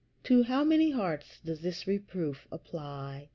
To how many hearts does this reproof apply?